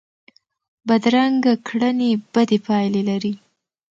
بدرنګه کړنې بدې پایلې لري